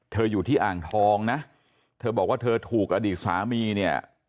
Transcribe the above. อยู่ที่อ่างทองนะเธอบอกว่าเธอถูกอดีตสามีเนี่ย